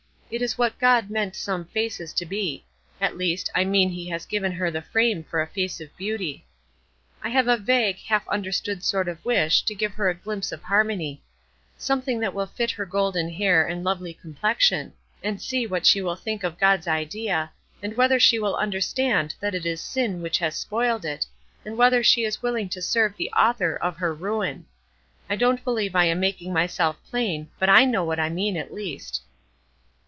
It is what God meant some faces to be; at least, I mean he has given her the frame for a face of beauty. I have a vague, half understood sort of wish to give her a glimpse of harmony; something that will fit her golden hair and lovely complexion; and see what she will think of God's idea, and whether she will understand that it is sin which has spoiled it, and whether she is willing to serve the author of her ruin. I don't believe I am making myself plain, but I know what I mean, at least."